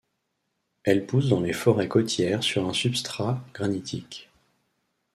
Elle pousse dans les forêts côtières sur un substrat granitique.